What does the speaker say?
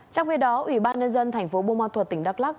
trong khi đó ủy ban nhân dân tp bô ma thuật tỉnh đắk lắc